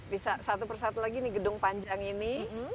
bisa satu persatu lagi gedung panjang ini